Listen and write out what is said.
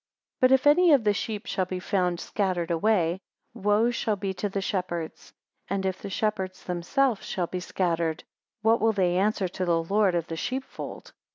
266 But if any of these sheep shall be found scattered away, Woe shall be to the shepherds; and if the shepherds themselves shall be scattered; what will they answer to the lord of the sheep fold?